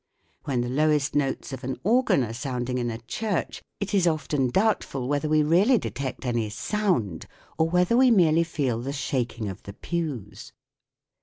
When the lowest notes of an organ are sounding in a church, it is often doubtful whether we really detect any sound or whether we merely feel the shaking of the pews.